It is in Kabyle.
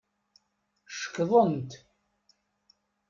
Cekḍent.